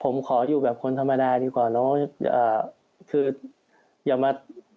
ผมขออยู่แบบคนธรรมดาดีกว่าเนาะ